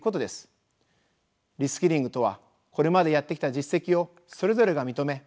リスキリングとはこれまでやってきた実績をそれぞれが認め